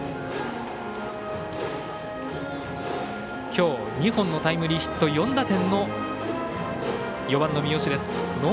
今日、２本のタイムリーヒット４打点の４番、三好。